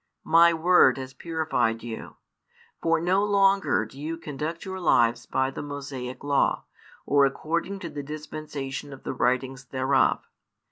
My Word has purified you: for no longer do you conduct your lives by the Mosaic Law, or according to the dispensation of the writings thereof.